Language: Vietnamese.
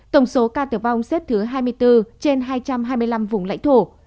tổng số ca tử vong xếp thứ hai mươi bốn trên hai trăm hai mươi năm vùng lãnh thổ